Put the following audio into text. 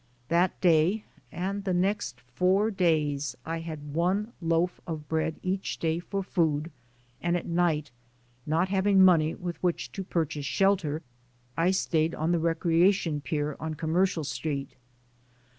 That day and the next four days I had one loaf of bread each day for food and at night, not having money with which to purchase shelter, I stayed on the recreation pier on Commercial Street.